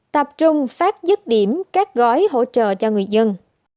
tập trung phát dứt điểm các gói hỗ trợ cho người dân